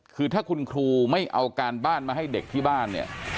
คือถ้าคุณครูไม่เอาการบ้านมาให้เด็กที่บ้านเนี่ย